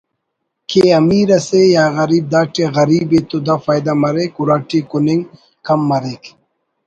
کہ امیر اسے یا غریب داٹی غریبءِ تو دا فائدہ مریک اُراٹی کننگ کم مریک